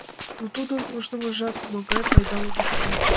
Но тудын ушнымыжат нимогай пайдам огеш пу.